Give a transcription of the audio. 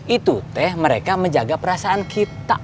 itu teh mereka menjaga perasaan kita